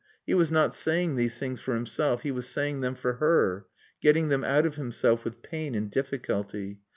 He was not saying these things for himself; he was saying them for her, getting them out of himself with pain and difficulty.